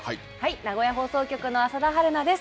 名古屋放送局の浅田春奈です。